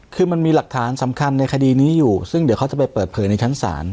คือมันมีหลักฐานสำคัญในคดีนี้อยู่ซึ่งเดี๋ยวเขาจะไปเปิดเผยในชั้นศาล